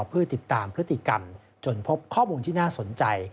เพื่อติดตามพฤติกรรมจนพบข้อมูลที่น่าสนใจ